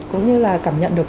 cũng như là cảm nhận được